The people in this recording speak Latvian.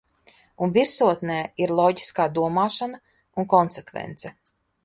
Un virsotnē ir loģiskā domāšana un konsekvence.